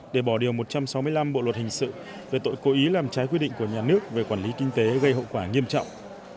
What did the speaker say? để bỏ điều một trăm sáu mươi năm bộ luật hình sự về tội cố ý làm trái quy định của nhà nước về quản lý kinh tế gây hậu quả nghiêm trọng